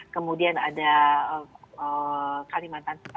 kemudian ada kalimantan